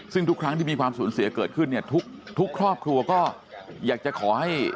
ซึ่งทุกครั้งที่มีความสูญเสียเกิดขึ้นเนี่ยทุกครอบครัวก็อยากจะขอให้